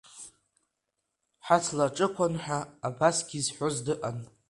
Ҳаҭла аҿықәан ҳәа абасгьы зҳәоз дыҟан…